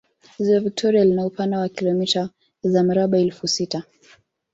Ziwa Vitoria lina upana wa kilomita za mraba elfu sita